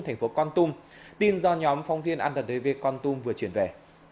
thành phố con tum tin do nhóm phóng viên antv con tum vừa chuyển về